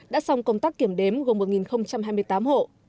đã xong công tác kiểm đếm gồm một hai mươi tám hộ